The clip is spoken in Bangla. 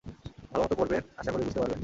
ভালোমতো পড়বেন, আশা করি বুঝতে পারবেন।